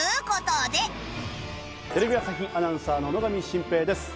テレビ朝日アナウンサーの野上慎平です。